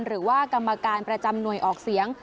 หรือว่ากรรมการประจำหน่วยออกเสียง